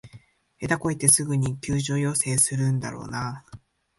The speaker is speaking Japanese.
下手こいてすぐに救助要請するんだろうなあ